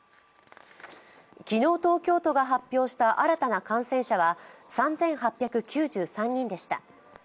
昨日、東京都が発表した新たな感染者は３８９３人でした。